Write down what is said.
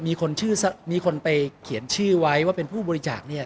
มีคนชื่อมีคนไปเขียนชื่อไว้ว่าเป็นผู้บริจาคเนี่ย